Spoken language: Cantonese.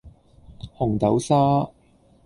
紅豆沙